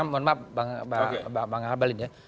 mohon maaf bang abel ini ya